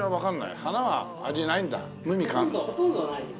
ほとんどないです。